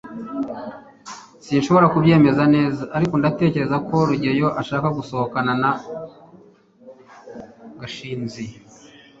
sinshobora kubyemeza neza, ariko ndatekereza ko rugeyo ashaka gusohokana na gashinzi